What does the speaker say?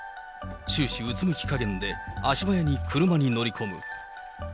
終始うつむき加減で、足早に車に乗り込む。